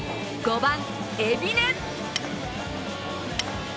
５番・海老根。